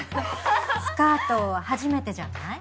スカート初めてじゃない？